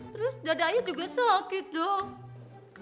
terus dada ayah juga sakit dong